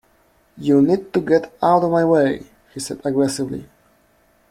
You need to get out of my way! he said aggressively